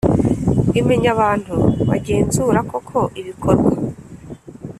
imenya abantu bagenzura koko ibikorwa